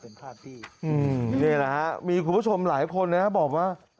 นี่นะครับมีคุณผู้ชมหลายคนนะครับบอกว่า